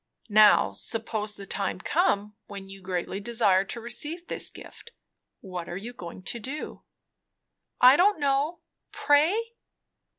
Now suppose the time come when you greatly desire to receive this gift, what are you going to do?" "I don't know. Pray?"